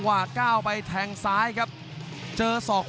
กรรมการเตือนทั้งคู่ครับ๖๖กิโลกรัม